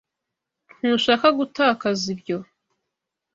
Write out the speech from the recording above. Ntushaka gutakaza ibyo.